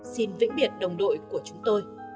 xin vĩnh biệt đồng đội của chúng tôi